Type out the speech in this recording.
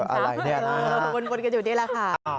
อะไรเนี่ยนะฮะบนกระจุดนี่แหละค่ะ